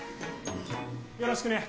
よろしくね。